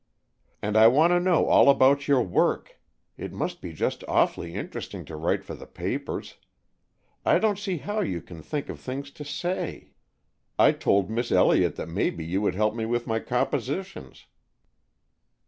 "And I want to know all about your work. It must be just awfully interesting to write for the papers. I don't see how you can think of things to say! I told Miss Elliott that maybe you would help me with my compositions."